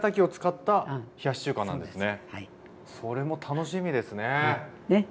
それも楽しみですねぇ。